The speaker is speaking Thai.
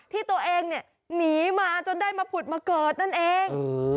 ที่ตัวเองเนี่ยหนีมาจนได้มาผุดมาเกิดนั่นเอง